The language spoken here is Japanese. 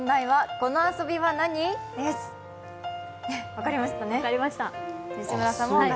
分かりましたね。